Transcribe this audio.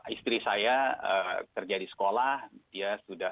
istri saya kerja di sekolah